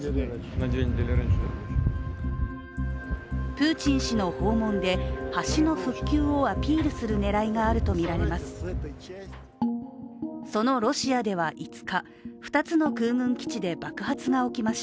プーチン氏の訪問で橋の復旧をアピールする狙いがあるとみられます。